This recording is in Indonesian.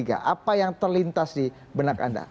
apa yang terlintas di benak anda